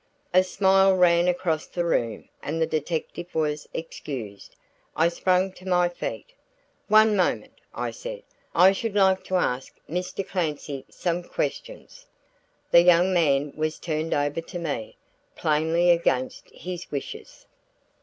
A smile ran around the room and the detective was excused. I sprang to my feet. "One moment!" I said. "I should like to ask Mr. Clancy some questions." The young man was turned over to me, plainly against his wishes.